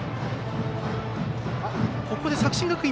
ここで作新学院